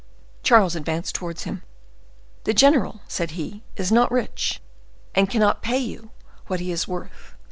Charles advanced towards him. "The general," said he, "is not rich, and cannot pay you what he is worth.